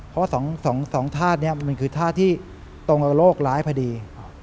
เพราะว่า๒ธาตุนี้มันคือธาตุที่ตรงกับโลกร้ายพอดี